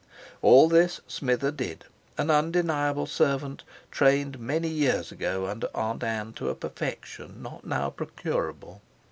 All this Smither did—an undeniable servant trained many years ago under Aunt Ann to a perfection not now procurable.